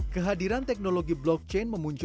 kehadiran teknologi blockchain memuncul